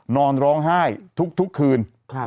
นอนร้องไห้ทุกคืน